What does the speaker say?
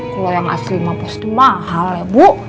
kalo yang asli mampus tuh mahal ya bu